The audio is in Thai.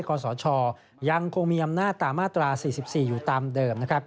กศชยังคงมีอำนาจตามอาตรา๔๔อยู่ตามเดิม